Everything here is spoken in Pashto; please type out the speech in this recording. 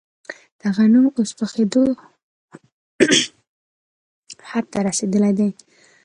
دغه نوم اوس پخېدو حد ته رسېدلی دی.